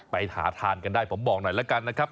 ไปหาทานกันได้ผมบอกหน่อยแล้วกันนะครับ